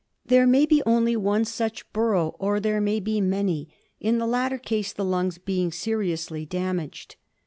There may be only one such burrow or there may be many, in the latter case the lungs being seriously damaged.